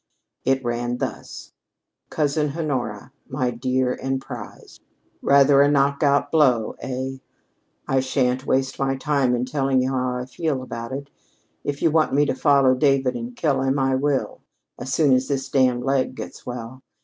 It ran thus: "COUSIN HONORA, MY DEAR AND PRIZED: "Rather a knock out blow, eh? I shan't waste my time in telling you how I feel about it. If you want me to follow David and kill him, I will as soon as this damned leg gets well.